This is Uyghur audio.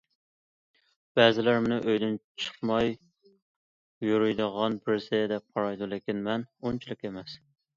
بەزىلەر مېنى ئۆيىدىن چىقماي يۈرىدىغان بىرسى دەپ قارايدۇ، لېكىن مەن ئۇنچىلىك ئەمەس.